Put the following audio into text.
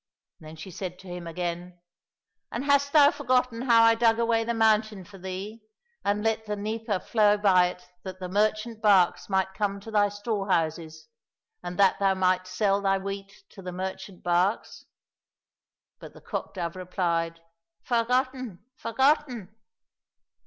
— Then she said to him again, *' And hast thou forgotten how I dug away the moun tain for thee, and let the Dnieper flow by it that the merchant barques might come to thy store houses, and that thou mightst sell thy wheat to the merchant barques ?" But the cock dove replied, " Forgotten ! forgotten